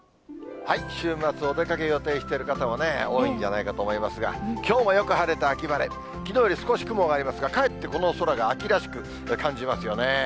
週末、お出かけ予定している方も多いんじゃないかと思いますが、きょうもよく晴れて秋晴れ、きのうより少し雲がありますが、かえってこの空が秋らしく感じますよね。